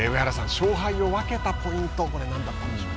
勝敗を分けたポイントはこれは何だったんでしょうか。